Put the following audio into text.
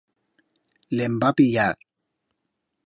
Le'n va pillar.